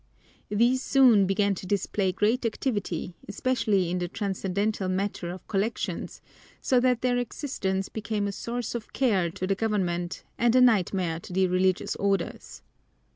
These soon began to display great activity, especially in the transcendental matter of collections, so that their existence became a source of care to the government and a nightmare to the religious orders.